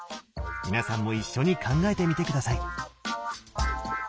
皆さんも一緒に考えてみて下さい！